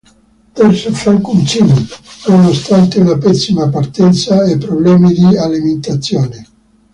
Terzo Franco Uncini nonostante una pessima partenza e problemi di alimentazione.